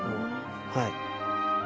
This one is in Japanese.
はい。